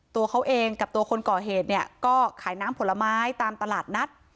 ตัวเขาเองกับตัวคนก่อเหตุเนี่ยก็ขายน้ำผลไม้ตามตลาดนัด